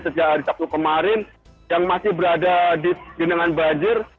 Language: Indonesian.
sejak hari sabtu kemarin yang masih berada di genangan banjir